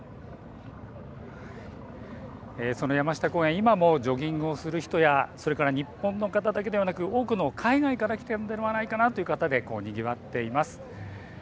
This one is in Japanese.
その山下公園、今もジョギングをする人や日本の方だけではなく、多くの海外から来ているのではないかなという方でにぎわっています。